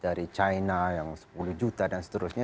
dari china yang sepuluh juta dan seterusnya